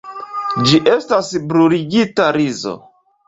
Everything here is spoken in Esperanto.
Ĝi estas bruligita rizo.